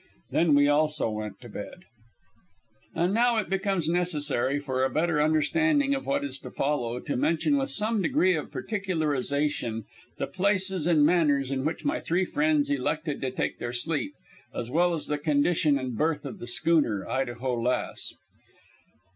Then we also went to bed. And now it becomes necessary, for a better understanding of what is to follow, to mention with some degree of particularization the places and manners in which my three friends elected to take their sleep, as well as the condition and berth of the schooner Idaho Lass.